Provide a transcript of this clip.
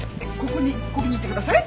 ここにここにいてください。